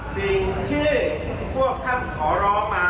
สิ่งที่พวกท่านขอร้องมา